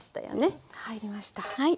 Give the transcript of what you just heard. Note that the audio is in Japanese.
全部入りました。